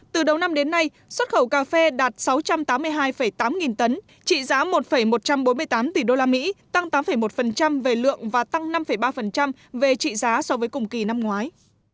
từ đầu năm đến nay xuất khẩu cà phê đạt sáu trăm tám mươi hai tám nghìn tấn trị giá một một trăm bốn mươi tám tỷ usd tăng tám một về lượng và tăng năm ba về trị giá so với cùng kỳ năm ngoái